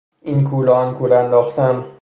این کول و آن کول انداختن